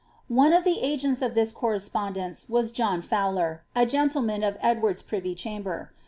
One of the agents of this coirespondence was John Fowler, a penile man of Eilward's privy ctiamber.